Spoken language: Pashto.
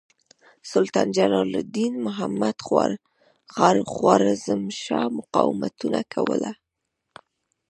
سلطان جلال الدین محمد خوارزمشاه مقاومتونه کول.